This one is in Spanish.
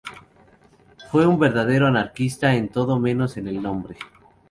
Fue un verdadero anarquista en todo menos en el nombre.